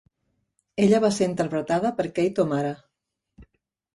Ella va ser interpretada per Kate O'Mara.